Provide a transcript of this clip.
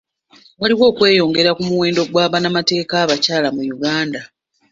Waliwo okweyongera mu muwendo gwa bannamateeka abakyala mu Uganda.